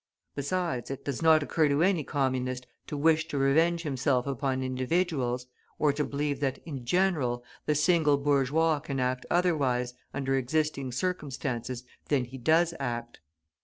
Besides, it does not occur to any Communist to wish to revenge himself upon individuals, or to believe that, in general, the single bourgeois can act otherwise, under existing circumstances, than he does act.